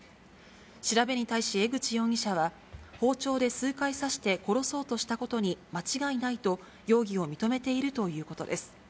調べに対し江口容疑者は、包丁で数回刺して、殺そうとしたことに間違いないと、容疑を認めているということです。